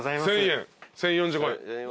１，０００円１，０４５円。